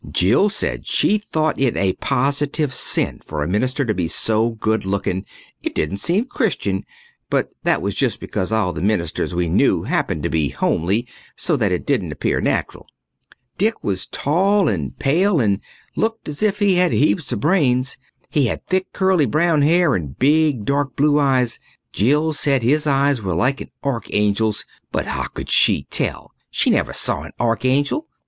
Jill said she thought it a positive sin for a minister to be so good looking, it didn't seem Christian; but that was just because all the ministers we knew happened to be homely so that it didn't appear natural. Dick was tall and pale and looked as if he had heaps of brains. He had thick curly brown hair and big dark blue eyes Jill said his eyes were like an archangel's, but how could she tell? She never saw an archangel.